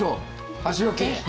箸置き。